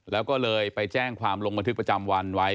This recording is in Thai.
แล้วก็เลยไปแจ้งความลงบันทึกประจำวันไว้